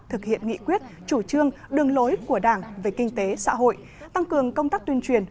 thực hiện nghị quyết chủ trương đường lối của đảng về kinh tế xã hội tăng cường công tác tuyên truyền